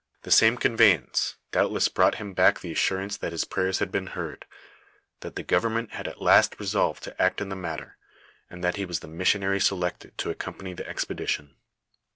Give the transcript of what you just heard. The same con veyance, doubtless, brought him back the assurance that his prayers had been heard, that the government had at last re solved to act in the matter, and that he was the missionary selected to accompany the expedition.